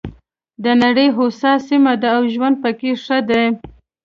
د نړۍ هوسا سیمې دي او ژوند پکې ښه دی.